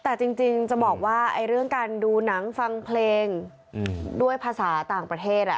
แต่จริงจะบอกว่าเรื่องการดูหนังฟังเพลงด้วยภาษาต่างประเทศ